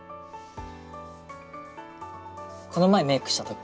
この前メイクした時。